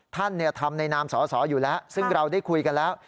ท่านทำในนามสอสออยู่แล้วซึ่งเราได้คุยกันแล้ว